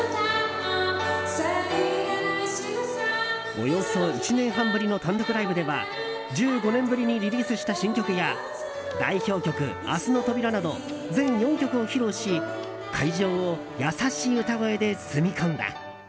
およそ１年半ぶりの単独ライブでは１５年ぶりにリリースした新曲や代表曲「明日の扉」など全４曲を披露し会場を優しい歌声で包み込んだ。